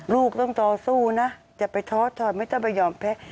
ลูกต้องต่อสู้นะอย่าไปทอดไม่ต้องไปยอมแพ้